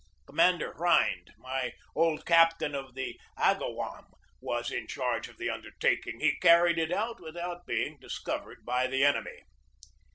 Commander Rhind, my old captain of the Agawam, was in charge of the undertaking. He carried it out without being discovered by the enemy.